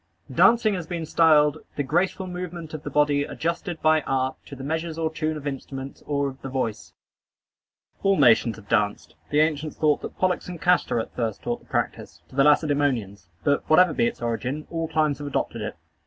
Dancing has been styled "the graceful movement of the body adjusted by art, to the measures or tune of instruments, or of the voice." All nations have danced. The ancients thought that Pollux and Castor at first taught the practice to the Lacedæmonians; but, whatever be its origin, all climes have adopted it.